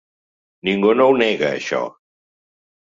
Ningú no ho nega, això.